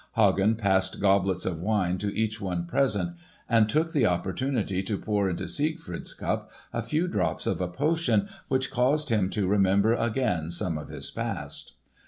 Hagen passed goblets of wine to each one present, and took the opportunity to pour into Siegfried's cup a few drops of a potion which caused him to remember again some of his past.